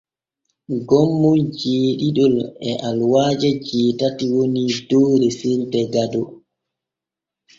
Gommon jeeɗiɗon e aluwaaje jeetati woni dow resirde Gado.